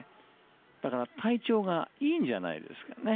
だから体調がいいんじゃないですかね。